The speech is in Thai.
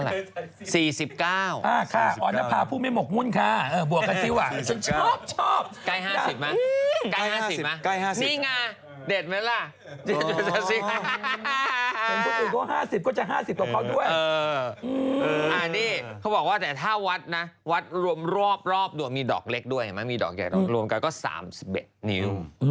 เออนี่เขาบอกว่าถ้าวัดนะวัดรวมรอบดูมีดอกเล็กด้วยมีดอกใหญ่ดวงกันในก็๓๑นิ้ว